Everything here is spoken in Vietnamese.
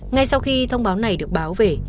ngay sau khi thông báo này được báo về